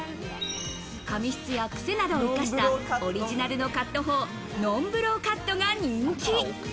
髪質やクセなどを生かしたオリジナルのカット法ノンブローカットが人気。